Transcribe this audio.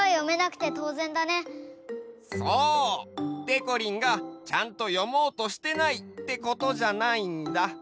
でこりんがちゃんと読もうとしてないってことじゃないんだ。